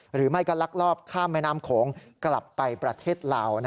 หรือไม่ก็ลักลอบข้ามแม่น้ำโขงกลับไปประเทศลาว